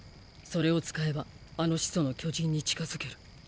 それを使えばあの始祖の巨人に近づける。